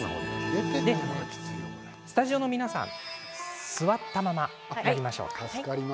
スタジオの皆さん座ったまま、やりましょうか。